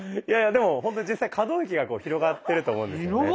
いやいやでもほんと実際可動域が広がってると思うんですよね。